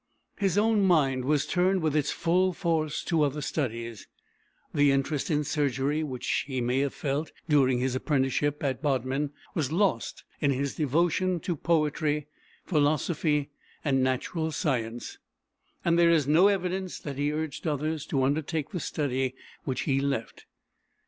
His own mind was turned with its full force to other studies; the interest in surgery which he may have felt during his apprenticeship at Bodmin was lost in his devotion to poetry, philosophy, and natural science, and there is no evidence that he urged others to undertake the study which he left.